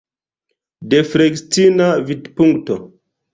De flegistina vidpunkto.